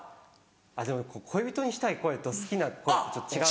あっでも恋人にしたい声と好きな声ちょっと違う。